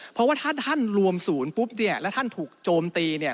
เพราะว่าถ้าท่านรวมศูนย์ปุ๊บเนี่ยแล้วท่านถูกโจมตีเนี่ย